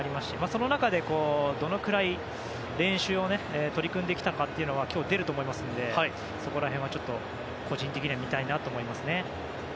その中で、どのくらい練習に取り組んできたかが今日、出ると思いますのでそこら辺を個人的には見たいなと思いますね。